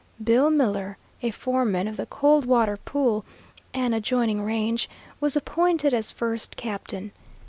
Bill Miller, a foreman on the Coldwater Pool, an adjoining range, was appointed as first captain.